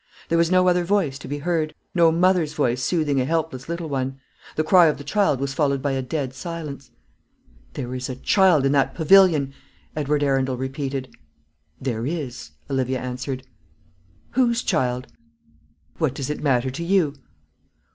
There was no other voice to be heard, no mother's voice soothing a helpless little one. The cry of the child was followed by a dead silence. "There is a child in that pavilion," Edward Arundel repeated. "There is," Olivia answered. "Whose child?" "What does it matter to you?"